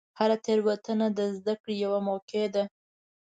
هره تېروتنه د زدهکړې یوه موقع ده.